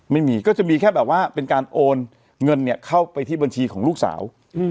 ไม่มีก็จะมีแค่แบบว่าเป็นการโอนเงินเข้าไปที่บัญชีของลูกสาว